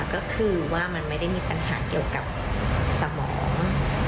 ก็คือว่ามันไม่ได้มีปัญหาเกี่ยวกับสมอง